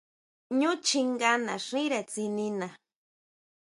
Ñú chjinga naxíre tsinina.